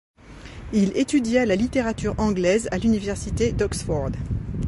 Il étudia la littérature anglaise à l'université d'Oxford.